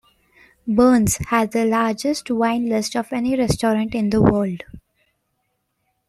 Bern's has the largest wine list of any restaurant in the world.